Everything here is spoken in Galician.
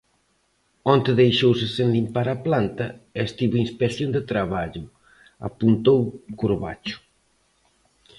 Onte deixouse sen limpar a planta e estivo Inspección de Traballo, apuntou Corbacho.